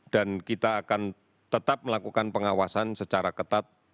dan kita akan tetap melakukan pengawasan secara ketat